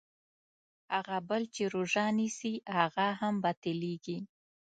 هغه بل چې روژه نیسي هغه هم باطلېږي.